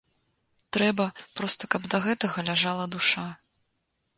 Трэба, проста каб да гэтага ляжала душа.